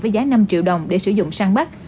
với giá năm triệu đồng để sử dụng săn bắt